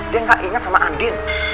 dia gak ingat sama andin